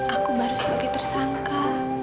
aku baru sebagai tersangka